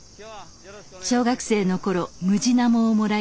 小学生の頃ムジナモをもらい